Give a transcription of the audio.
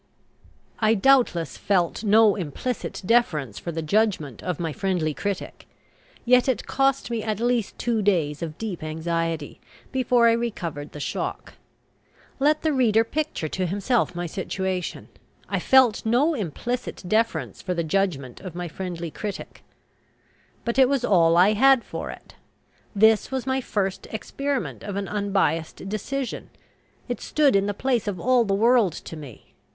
I doubtless felt no implicit deference for the judgment of my friendly critic. Yet it cost me at least two days of deep anxiety before I recovered the shock. Let the reader picture to himself my situation. I felt no implicit deference for the judgment of my friendly critic. But it was all I had for it. This was my first experiment of an unbiassed decision. It stood in the place of all the world to me.